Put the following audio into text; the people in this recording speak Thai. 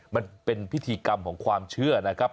มันเป็นพิธีกรรมของความเชื่อนะครับ